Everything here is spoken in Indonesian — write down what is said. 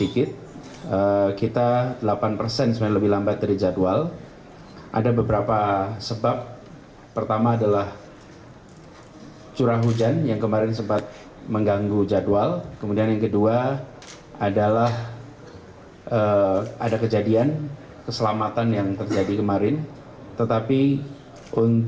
kalla menegaskan segala persoalan yang masih menjadi kekurangan dalam penyelenggaraan akan segera diselesaikan